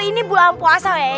ini bulan puasa weh